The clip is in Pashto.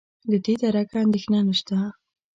له دې درکه اندېښنه نشته.